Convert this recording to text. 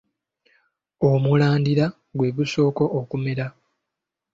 Omulandira gwe gusooka okumera.